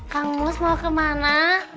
kampus mau kemana